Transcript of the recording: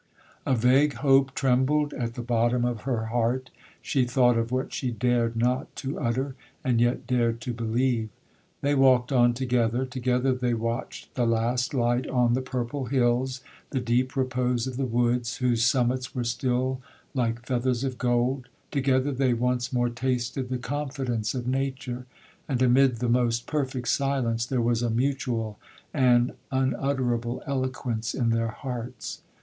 A vague hope trembled at the bottom of her heart,—she thought of what she dared not to utter, and yet dared to believe. They walked on together,—together they watched the last light on the purple hills, the deep repose of the woods, whose summits were still like 'feathers of gold,'—together they once more tasted the confidence of nature, and, amid the most perfect silence, there was a mutual and unutterable eloquence in their hearts.